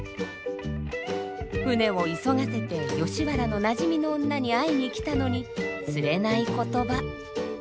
舟を急がせて吉原のなじみの女に会いに来たのにつれない言葉。